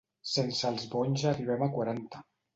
Sense els bonys arribem a quaranta.